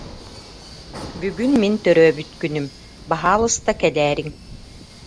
Бүгүн мин төрөөбүт күнүм, баһаалыста кэлээриҥ